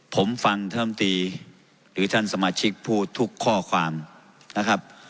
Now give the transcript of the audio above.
ผมฟังท่านลำตีหรือท่านสมาชิกพูดทุกข้อความนะครับ